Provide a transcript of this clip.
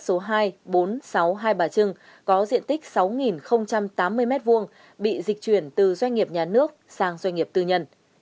khu đất số hai bốn sáu hai bà trưng có diện tích sáu tám mươi m hai bị dịch chuyển từ doanh nghiệp nhà nước sang doanh nghiệp tư nhân